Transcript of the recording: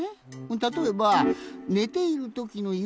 たとえばねているときの夢